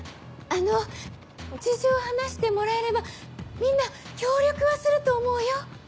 あの事情話してもらえればみんな協力はすると思うよ？